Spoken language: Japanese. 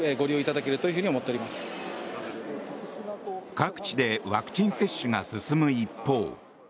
各地でワクチン接種が進む一方。